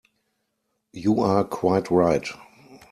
You are quite right.